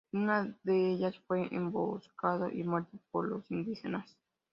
En una de ellas fue emboscado y muerto por los indígenas.